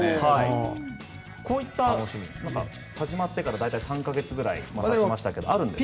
こういった始まってから大体３か月くらいで何かあるんですか？